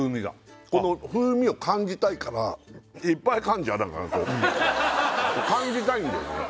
この風味を感じたいからいっぱい噛んじゃうだからこう感じたいんだよね